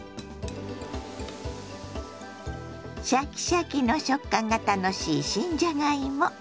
シャキシャキの食感が楽しい新じゃがいも。